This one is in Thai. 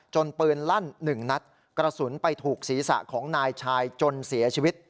ปืนลั่นหนึ่งนัดกระสุนไปถูกศีรษะของนายชายจนเสียชีวิต